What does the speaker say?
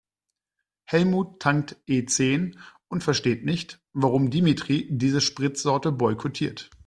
Helmut tankt E-zehn und versteht nicht, warum Dimitri diese Spritsorte boykottiert.